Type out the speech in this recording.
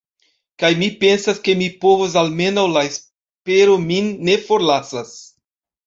Kaj mi pensas, ke mi povos, almenaŭ la espero min ne forlasas.